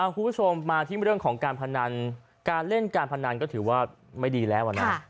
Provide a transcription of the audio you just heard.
คุณผู้ชมมาที่เรื่องของการพนันการเล่นการพนันก็ถือว่าไม่ดีแล้วนะ